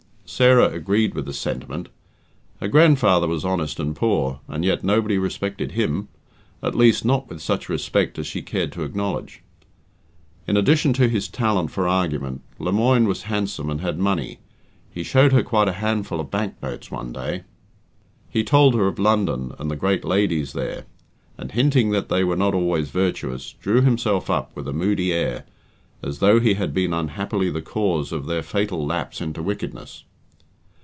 Sarah agreed with this sentiment. Her grandfather was honest and poor, and yet nobody respected him at least, not with such respect as she cared to acknowledge. In addition to his talent for argument, Lemoine was handsome and had money he showed her quite a handful of bank notes one day. He told her of London and the great ladies there, and hinting that they were not always virtuous, drew himself up with a moody air, as though he had been unhappily the cause of their fatal lapse into wickedness.